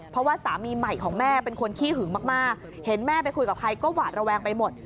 เพราะว่าสามีใหม่ของแม่เป็นคนขี้หึงมากเห็นแม่ไปคุยกับใครก็หวาดระแวงไปหมด